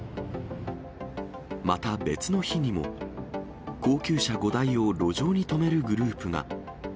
また別の日にも、高級車５台を路上に止めるグループが。